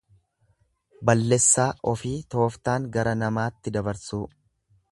Ballessaa ofii tooftaan gara namaatti dabarsuu.